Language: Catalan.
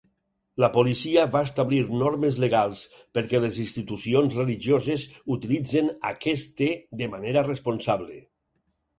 La policia va establir normes legals perquè les institucions religioses utilitzin aquest te de manera responsable.